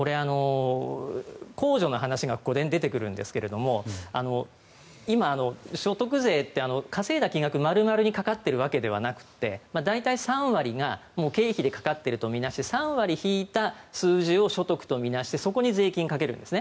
控除の話がここで出てくるんですが今、所得税って稼いだ金額丸々かかっているわけではなくて大体３割が経費でかかっていると見なして３割引いた数字を所得と見なしてそこに税金をかけるんです。